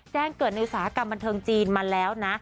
แจ้งเกิดในอุตสาหกรรมบันเทิงจีนมาแล้วนะ